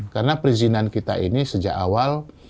karena perizinan kita ini sejak awal